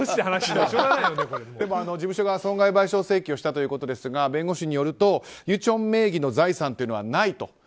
事務所側は損害賠償請求をしたということですが弁護士によるとユチョン名義の財産というのはないと。